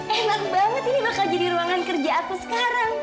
enak banget ini bakal jadi ruangan kerja aku sekarang